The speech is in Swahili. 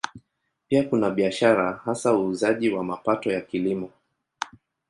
Pia kuna biashara, hasa uuzaji wa mapato ya Kilimo.